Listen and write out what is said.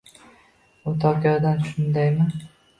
U Tokiodan, shundaymi